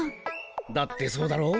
だってそうだろ。